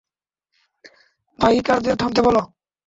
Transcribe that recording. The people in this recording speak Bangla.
বাইকারদের থামতে বল।